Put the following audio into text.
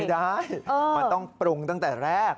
ไม่ได้มันต้องปรุงตั้งแต่แรก